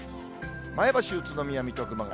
前橋、宇都宮、水戸、熊谷。